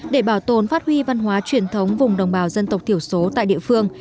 để bảo tồn phát huy văn hóa truyền thống vùng đồng bào dân tộc thiểu số tại địa phương